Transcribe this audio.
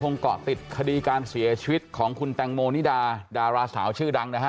เกาะติดคดีการเสียชีวิตของคุณแตงโมนิดาดาราสาวชื่อดังนะฮะ